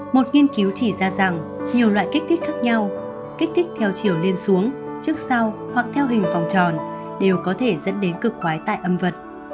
một nghiên cứu chỉ ra rằng nhiều loại kích thích khác nhau kích thích theo chiều lên xuống trước sau hoặc theo hình vòng tròn đều có thể dẫn đến cực khoái tại âm vật